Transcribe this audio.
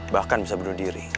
bahkan bisa bener diri